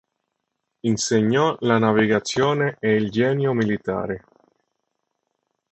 Insegnò la navigazione e il genio militare.